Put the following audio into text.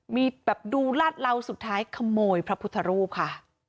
มีแบบดูลาดเหลาสุดท้ายขโมยพระพุทธรูปค่ะ